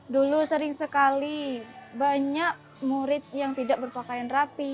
dulu sering sekali banyak murid yang berpengalaman